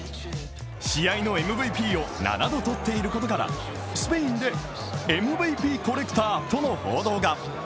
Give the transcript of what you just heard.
試合のＭＶＰを７度とっていることからスペインでＭＶＰコレクターとの報道が。